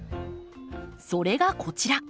それがこちら。